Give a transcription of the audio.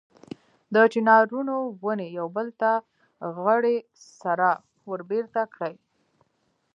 د چنارونو ونې یو بل ته غړۍ سره وربېرته کړي.